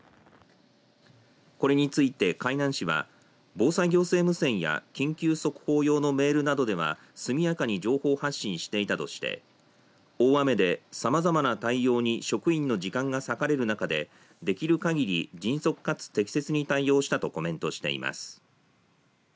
これについて海南市は防災行政無線や緊急速報用のメールなどでは速やかに情報発信していたとして大雨でさまざまな対応に職員の時間が割かれる中でできる限り迅速かつ適切に対応したとコメントしています。